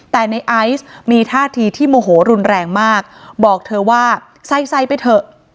แต่ในไอซ์มีท่าทีที่โมโหรุนแรงมากบอกเธอว่าใส่ใส่ไปเถอะ